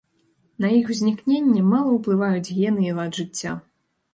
На іх узнікненне мала ўплываюць гены і лад жыцця.